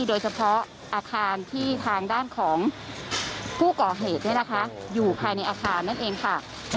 โดยเฉพาะอาคารที่ทางด้านของผู้ก่อเหตุอยู่ภายในอาคารนั่นเองค่ะ